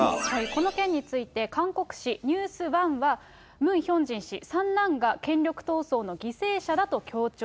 この件について、韓国紙、ニュース１は、ムン・ヒョンジン氏、三男が権力闘争の犠牲者だと強調。